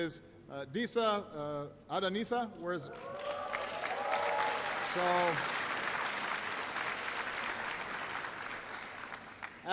sebagai seorang perempuan saya ingin memperkenalkan disa adhanisa